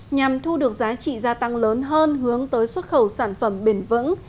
nhằm thu được giá trị gia tăng lớn hơn hướng tới xuất khẩu sản phẩm bền vững